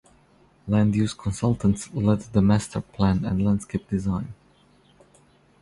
Land use consultants led the masterplan and landscape design.